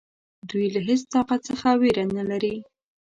دوی له هیڅ طاقت څخه وېره نه لري.